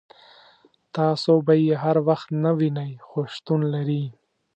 تاسو به یې هر وخت نه وینئ خو شتون لري.